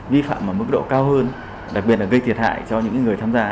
vi phạm ở mức độ cao hơn đặc biệt là gây thiệt hại cho những người tham gia